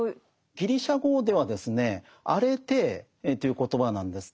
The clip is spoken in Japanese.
ギリシャ語ではですね「アレテー」という言葉なんです。